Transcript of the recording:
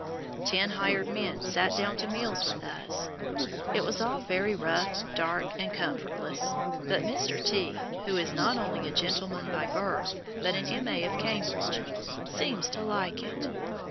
Ten hired men sat down to meals with us. It was all very rough, dark, and comfortless, but Mr. T., who is not only a gentleman by birth, but an M.A. of Cambridge, seems to like it.